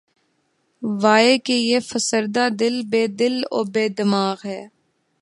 واے! کہ یہ فسردہ دل‘ بے دل و بے دماغ ہے